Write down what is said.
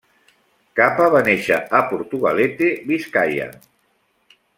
Capa va néixer a Portugalete, Biscaia.